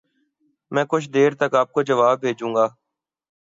میں کچھ دیر تک آپ کو جواب بھیجوں گا۔۔۔